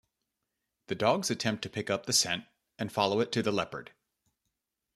The dogs attempt to pick up the scent and follow it to the leopard.